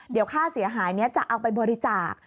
เดี๋ยวค่าเสียหายนี้จะเอาไปบริจาค